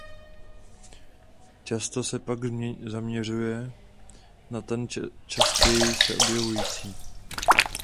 Často se pak zaměřuje na ten častěji se objevující.